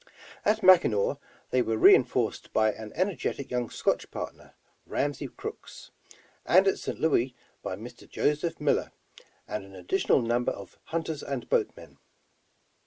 '' At Mackinaw they were reinforced by an energetic young Scotch partner, Ramsey Crooks; and at St. 173 The Original John Jacob Astor Louis, by Mr. Joseph Miller, and an additional number of hunters and boatmen.